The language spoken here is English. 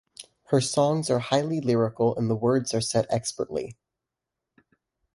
Her songs are highly lyrical and the words are set expertly.